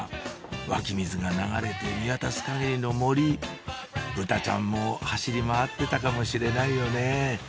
湧き水が流れて見渡す限りの森ブタちゃんも走り回ってたかもしれないよね